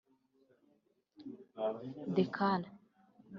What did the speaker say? Decale